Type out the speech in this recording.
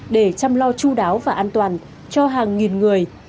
để chăm lo chú đáo và an toàn cho hàng nghìn người